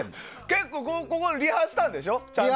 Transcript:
結構、リハしたんでしょ。